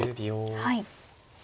はい。